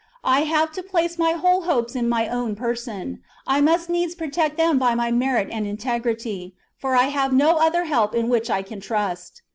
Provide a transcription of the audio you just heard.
I have to place my whole hopes in my own person : I must needs protect them by my merit and integrity, for I have no other help in which I can trust.